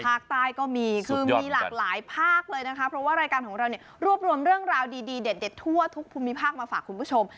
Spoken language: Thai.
ภาคใต้ก็มีคือมีหลากหลายภาคเลยนะคะเพราะว่ารายการของเราเนี่ยรวบรวมเรื่องราวดีเด็ดทั่วทุกภูมิภาคมาฝากคุณผู้ชม